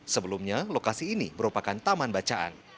sebelumnya lokasi ini merupakan taman bacaan